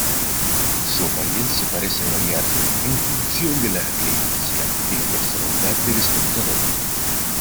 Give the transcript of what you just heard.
Su apariencia parece variar en función de la creencia y la personalidad del espectador.